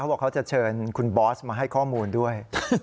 บอกเขาจะเชิญคุณบอสมาให้ข้อมูลด้วย